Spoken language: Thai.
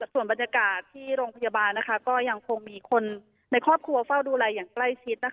ส่วนบรรยากาศที่โรงพยาบาลก็ยังคงมีคนในครอบครัวเฝ้าดูแลอย่างใกล้ชิด